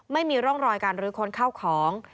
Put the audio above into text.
ไม่มีร่องรอยการรื้อค้นเข้าของ